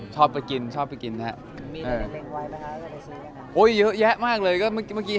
ชอบไปกินนะครับ